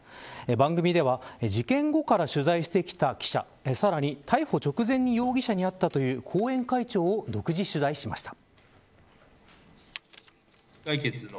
番組では事件後から取材してきた記者さらに、逮捕直前に容疑者に会ったという後援会長を独自取材しました。